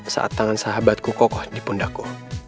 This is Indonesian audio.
saat tangan sahabatku kokoh di pundakku